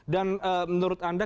dan menurut anda